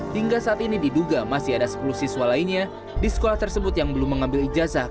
hingga saat ini diduga masih ada sepuluh siswa lainnya di sekolah tersebut yang belum mengambil ijazah